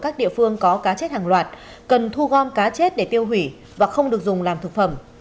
các địa phương có cá chết hàng loạt cần thu gom cá chết để tiêu hủy và không được dùng làm thực phẩm